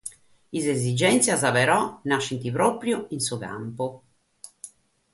Sas esigèntzias, però, naschent pròpiu in su campu.